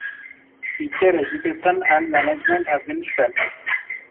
Teacher Education and Management have been started.